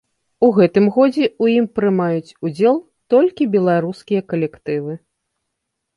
У гэтым годзе ў ім прымаюць удзел толькі беларускія калектывы.